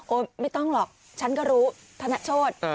ไม่ต้องหรอกฉันก็รู้ธนโชธ